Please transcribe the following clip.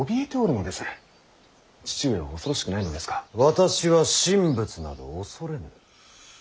私は神仏など畏れぬ。